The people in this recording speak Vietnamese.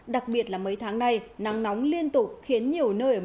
đặc biệt là mấy tháng nay nắng nóng liên tục khiến nhiều nơi ở miền nước